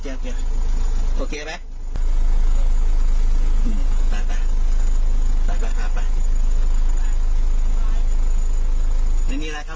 ไปไปโอเคไปไปไปนี่ไงครับ